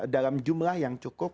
dalam jumlah yang cukup